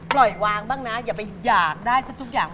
ปล่อยวางบ้างนะอย่าไปอยากได้สักทุกอย่าง